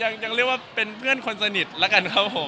ยังเรียกว่าเป็นเพื่อนคนสนิทแล้วกันครับผม